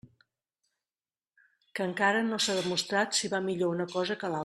Que encara no s'ha demostrat si va millor una cosa que l'altra.